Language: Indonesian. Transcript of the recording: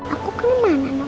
aku ke mana nek